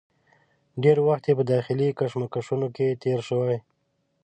ډېر وخت یې په داخلي کشمکشونو کې تېر شوی.